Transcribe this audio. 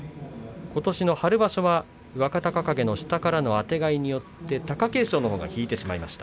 ことしの春場所は若隆景の下からのあてがいによって貴景勝のほうが引いてしまいました。